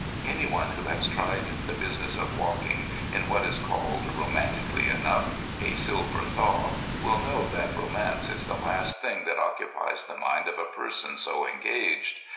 Any one who has tried the business of walking in what is called—romantically enough—a silver thaw will know that romance is the last thing that occupies the mind of a person so engaged.